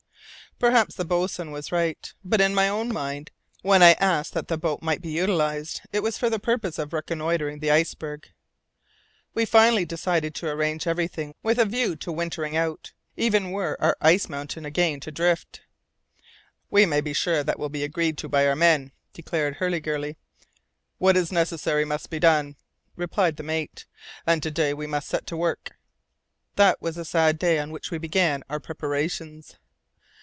Perhaps the boatswain was right. But in my own mind, when I asked that the boat might be utilized, it was only for the purpose of reconnoitring the iceberg. We finally decided to arrange everything with a view to wintering out, even were our ice mountain again to drift. "We may be sure that will be agreed to by our men," declared Hurliguerly. "What is necessary must be done," replied the mate, "and to day we must set to work." That was a sad day on which we began our preparations.